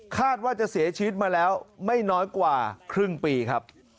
คาดว่าจะเสียชีวิตมาแล้วไม่น้อยกว่าครึ่งปีครับ